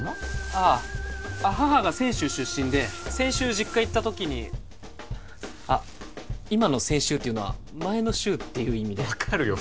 ああ母が泉州出身で先週実家行った時にあっ今の「センシュウ」というのは前の週っていう意味で分かるよ